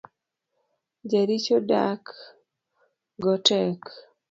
Jaricho dak go tek.